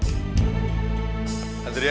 tidak ada yang bisa